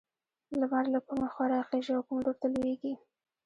لمر له کومې خوا راخيژي او کوم لور ته لوېږي؟